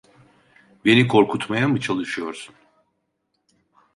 Beni korkutmaya mı çalışıyorsun?